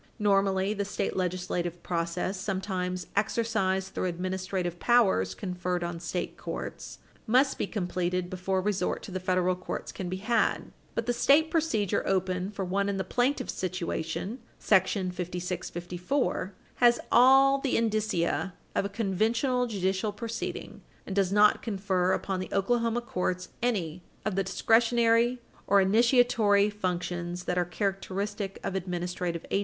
Normally, the state legislative process, sometimes exercised through administrative powers conferred on state courts, must be completed before resort to the federal courts can be had. Prentis v. Atlantic Coast Line Co., 211 U. S. 210. But the state procedure open for one in the plaintiff's situation (§ 5654) has all the indicia of a conventional judicial proceeding, and does not confer upon the Oklahoma courts any of the discretionary or initiatory functions that are characteristic of administrative agencies.